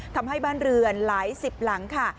ทำให้บ้านเรือนไหล๑๐หลังค่ะ